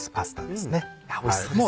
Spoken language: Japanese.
おいしそうですね。